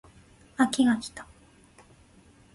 秋が来た